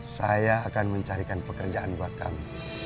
saya akan mencarikan pekerjaan buat kamu